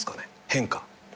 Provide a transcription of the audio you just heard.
変化。